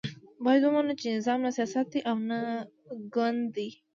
باید ومنو چې نظام نه سیاست دی او نه ګوند دی.